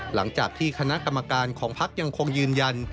หลังจากที่คณะกรรมการของพักยังคงยืนยัน